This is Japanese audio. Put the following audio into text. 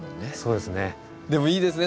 でもいいですね